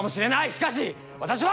しかし私は！